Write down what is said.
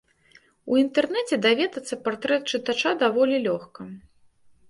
У інтэрнэце даведацца партрэт чытача даволі лёгка.